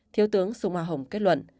thiếu tướng sùng a hồng kết luận